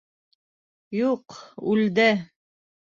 Юҡ, үлде!